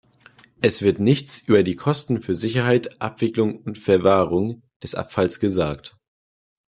Es wird nichts über die Kosten für Sicherheit, Abwicklung und Verwahrung des Abfalls gesagt.